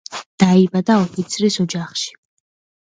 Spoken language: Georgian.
დაიბადა ოფიცრის ოჯახში.